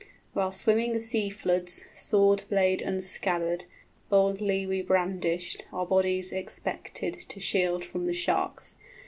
While swimming the sea floods, sword blade unscabbarded Boldly we brandished, our bodies expected To shield from the sharks.